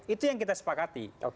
itu yang kita sepakati